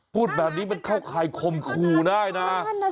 พูดแบบนี้มันเข้าข่ายคมคู่ได้นะ